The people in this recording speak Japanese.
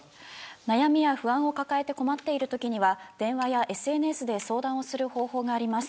悩みや不安を抱えて困っているときには電話やＳＮＳで相談をする方法があります。